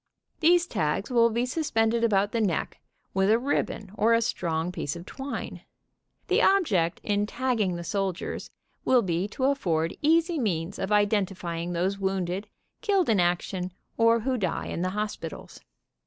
"These tags will be suspended about the neck with a ribbon or a strong piece of twine. The object in tagging the soldiers will be to afford easy means of identifying those wounded, killed in action, or who die in the hospitals.